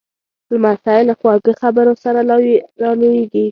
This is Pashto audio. لمسی له خواږه خبرو سره را لویېږي.